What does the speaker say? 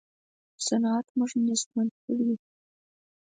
صنعت موږ نېستمن کړي یو.